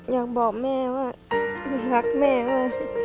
อยากบอกแม่ว่ารักแม่มาก